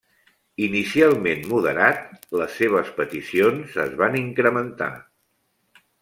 Inicialment moderat les seves peticions es van incrementar.